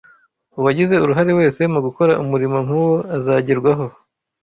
Uwagize uruhare wese mu gukora umurimo nk’uwo azagerwaho